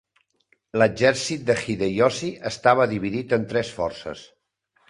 L'exèrcit de Hideyoshi estava dividit en tres forces.